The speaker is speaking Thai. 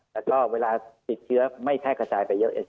แต่ก็เวลาติดเชื้อไม่แทรกกระจายไปเยอะ